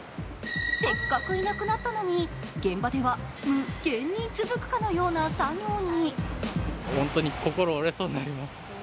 せっかくいなくなったのに現場では無限に続くかのうような作業に。